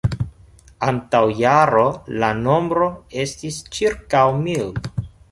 Antaŭ jaro, la nombro estis ĉirkaŭ mil.